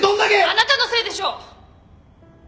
あなたのせいでしょう！